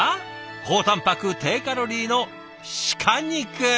高たんぱく低カロリーの鹿肉。